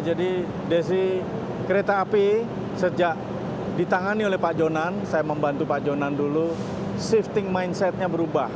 desi kereta api sejak ditangani oleh pak jonan saya membantu pak jonan dulu shifting mindsetnya berubah